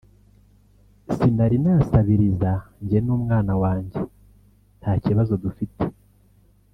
“Sinari nasabiriza njye n’umwana wanjye nta kibazo dufite